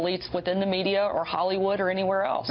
dan elit liberal di media hollywood atau di mana mana lain